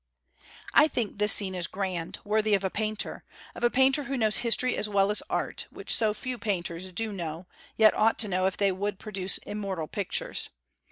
I think this scene is grand; worthy of a great painter, of a painter who knows history as well as art, which so few painters do know; yet ought to know if they would produce immortal pictures.